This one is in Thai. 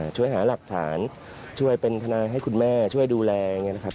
ช่วยหาหลักฐานช่วยเป็นทนายให้คุณแม่ช่วยดูแลอย่างนี้นะครับ